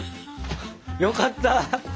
よかった。